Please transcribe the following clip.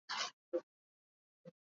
Ka caah na ṭhahnem ngai.